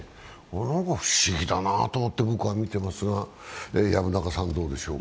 なんか不思議だなって思って、僕は見ていますが、どうでしょうか。